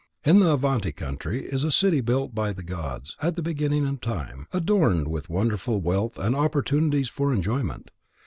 In the Avanti country is a city built by the gods at the beginning of time, adorned with wonderful wealth and opportunities for enjoyment.